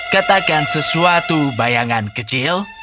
katakan sesuatu bayangan kecil